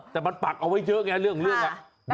แต่มันปักเอาไว้เยอะไงเรื่อง